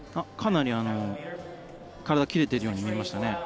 かなり体がきれてるように見えました。